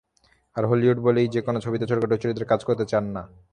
আর Hollywood বলেই যেকোনো ছবিতে ছোটখাটো চরিত্রে কাজ করতে চান না।